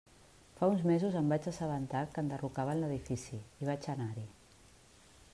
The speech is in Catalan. Fa uns mesos em vaig assabentar que enderrocaven l'edifici i vaig anar-hi.